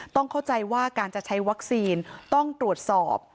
ต้องเข้าใจว่าการจะใช้วัคซีนต้องตรวจสอบ